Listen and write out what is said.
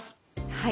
はい。